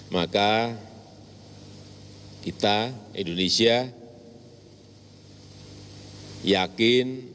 maka kita indonesia yakin